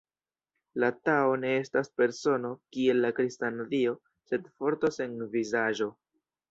La Tao ne estas persono, kiel la kristana Dio, sed forto sen vizaĝo.